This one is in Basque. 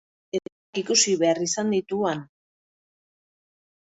Ederrak ikusi behar izan ditu han!